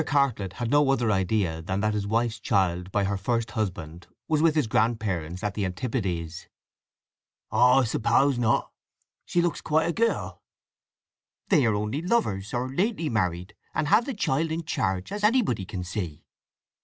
Cartlett had no other idea than that his wife's child by her first husband was with his grandparents at the Antipodes. "Oh I suppose not. She looks quite a girl." "They are only lovers, or lately married, and have the child in charge, as anybody can see."